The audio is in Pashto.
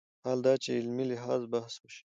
حال دا چې علمي لحاظ بحث وشي